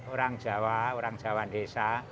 orang jawa orang jawa desa